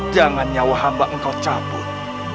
jangan nyawa hamba engkau cabut